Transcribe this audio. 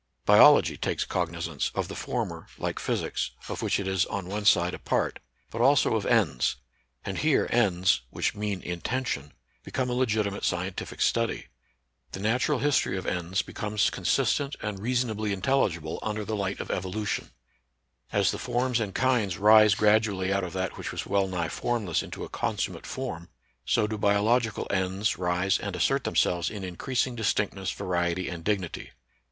Biology takes cognizance of the former, like physics, of which it is on one side a part, but also of ends ; and here ends (which mean intention) become a legitimate scientific study. The natural history of ends becomes NATURAL SCIENCE AND RELIGION. 93 consistent and reasonably intelligible under the light of evolution. As the forms and kinds rise gradually out of that which was well nigh form less into a consummate form, so do biological ends rise and assert themselves in increasing distinctness, variety, and dignity.